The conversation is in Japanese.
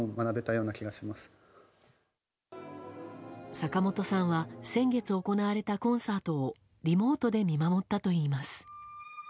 坂本さんは先月行われたコンサートをリモートで見守ったといいます。